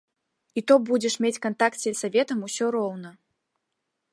І то будзеш мець кантакт з сельсаветам усё роўна!